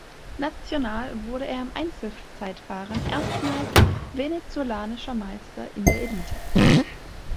National wurde er im Einzelzeitfahren erstmals Venezolanischer Meister in der Elite.